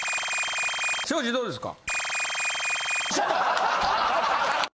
庄司どうですか？